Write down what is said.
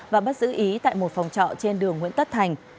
và bắt giữ ý tại một phòng trọ trên đường nguyễn tất thành